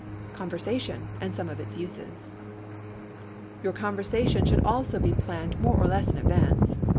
CONVERSATION AND SOME OF ITS USES Your conversation should also be planned more or less in advance.